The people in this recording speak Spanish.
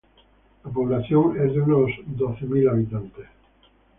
La población es de unos doce mil habitantes.